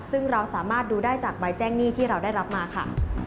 ซึ่งเราสามารถดูได้จากใบแจ้งหนี้ที่เราได้รับมาค่ะ